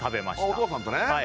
お父さんとね